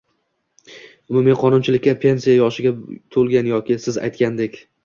Umumiy qonunchilikda pensiya yoshiga to‘lgan yoki siz aytgandek